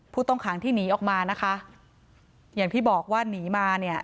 ผู้ต้องขังที่หนีออกมานะคะอย่างที่บอกว่าหนีมาเนี่ย